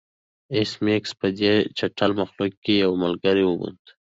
ایس میکس په دې چټل مخلوق کې یو ملګری وموند